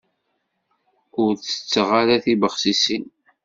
Ur tetteɣ ara tibexsisin.